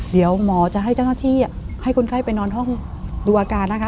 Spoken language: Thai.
เดี๋ยวหมอจะให้เจ้าหน้าที่ให้คนไข้ไปนอนห้องดูอาการนะคะ